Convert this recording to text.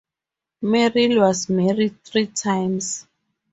Merrill was married three times.